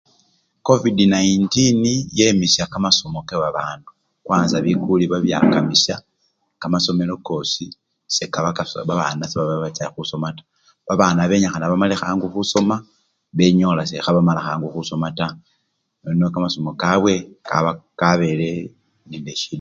Covid-19 yemisya kamasomo kebabana, kwanza bikuli babyakamisya, kamasomelo kosii sekaba kacha! babana baba sebacha khusoma taa, babana benyikhana bamale khangu khusoma benyola sekhebamala khangu khusoma taa nono kamasomo kabwe kaba kabele nende isyida.